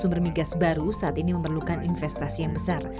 sumber migas baru saat ini memerlukan investasi yang besar